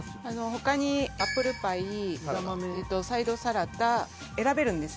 他にアップルパイサイドサラダ選べるんですね。